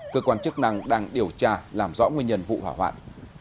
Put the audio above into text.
cơ quan chức năng đang điều tra làm rõ nguyên nhân vụ hỏa hoạn